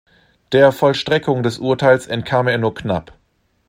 Der Vollstreckung des Urteils entkam er nur knapp.